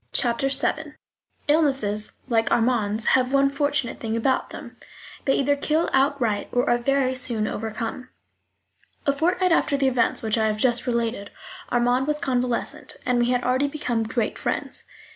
Chapter VII Illnesses like Armand's have one fortunate thing about them: they either kill outright or are very soon overcome. A fortnight after the events which I have just related Armand was convalescent, and we had already become great friends.